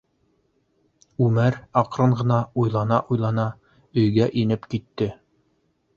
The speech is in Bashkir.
Үмәр аҡрын ғына уйлана-уйлана өйгә инеп китте.